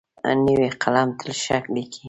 نوی قلم تل ښه لیکي.